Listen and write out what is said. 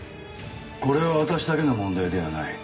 これは私だけの問題ではない。